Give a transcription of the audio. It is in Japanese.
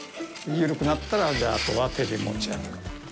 緩くなったら、あとは手で持ち上げる。